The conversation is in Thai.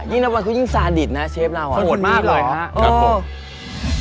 นี่นะครับกูยิ่งซาร์ดิสนะเชฟเราโหดมากเลยครับโอ้โห